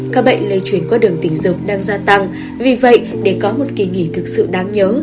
các bệnh lây chuyển qua đường tình dục đang gia tăng vì vậy để có một kỳ nghỉ thực sự đáng nhớ